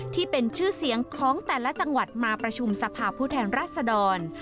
ที่เป็นชื่อเสียงของแต่ละจังหวัดมาประชุมสภาพผู้แทนรัศดร